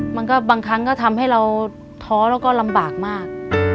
บางครั้งก็ทำให้เราท้อแล้วก็ลำบากมาก